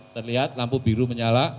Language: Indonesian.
terlihat lampu biru menyala